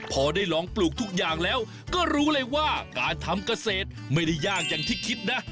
พอได้ลองปลูกทุกอย่างแล้วก็รู้เลยว่าการทำเกษตรไม่ได้ยากอย่างที่คิดนะ